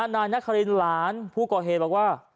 นายนักฮารินร้านผู้ก่อเหตุแบบว่า